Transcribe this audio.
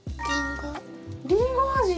りんご味？